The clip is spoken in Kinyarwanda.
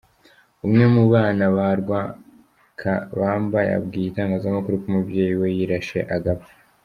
Umwe mu bana ba Rwakabamba yabwiye itangazamakuru ko umubyeyi we yirashe agapfa.